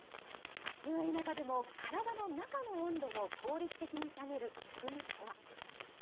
暑い中でも体の中の温度を効率的に下げる仕組みとは。